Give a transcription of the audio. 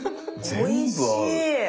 全部合う！